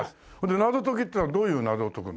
謎解きっていうのはどういう謎を解くんですか？